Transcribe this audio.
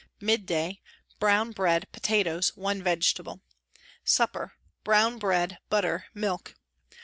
Mid day : Brown bread, potatoes, one vegetable. Supper : Brown bread, butter, milk.